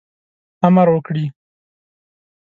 امر وکړي.